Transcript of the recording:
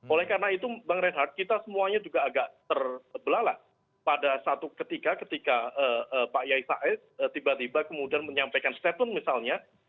oleh karena itu bang reinhardt kita semuanya juga agak terbelalak pada satu ketika ketika pak yai said tiba tiba kemudian menyampaikan statement misalnya